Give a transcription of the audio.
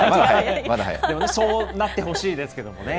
でもそうなってほしいですけどね。